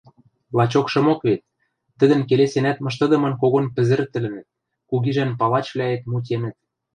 Лачокшымок вет, тӹдӹм келесенӓт мыштыдымын когон пӹзӹртӹлӹнӹт, кугижӓн палачвлӓэт мутенӹт.